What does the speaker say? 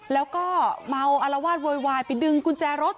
แล้วก็เมาอารวาสโวยวายไปดึงกุญแจรถ